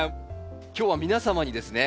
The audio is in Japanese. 今日は皆様にですね